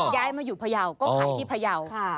ย้ายมาอยู่พยาวก็ขายที่พยาว